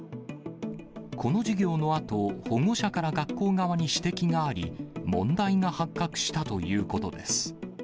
この授業のあと、保護者から学校側に指摘があり、問題が発覚したということです。